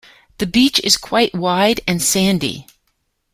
The beach is quite wide and sandy.